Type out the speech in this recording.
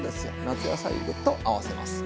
夏野菜と合わせます。